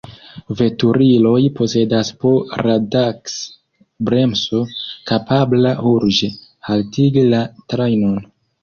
Veturiloj posedas po radaks-bremso, kapabla urĝe haltigi la trajnon.